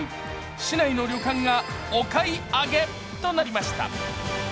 市内の旅館がお買い上げとなりました。